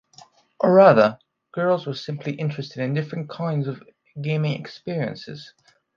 Rather, girls were simply interested in "different kinds" of gaming experiences.